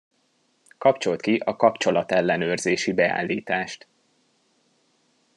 Kapcsold ki a kapcsolat ellenőrzési beállítást!